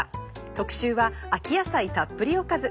特集は「秋野菜たっぷりおかず」。